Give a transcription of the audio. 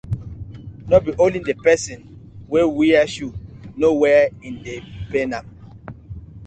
No be only di person wey wear shoe know where e dey pain am.